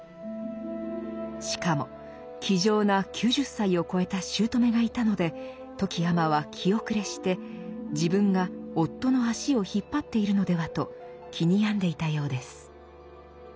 しかも気丈な９０歳を越えた姑がいたので富木尼は気後れして自分が夫の足を引っ張っているのではと気に病んでいたようです。